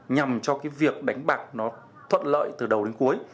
nhằm cho việc đánh bạc thuận lợi từ đầu đến cuối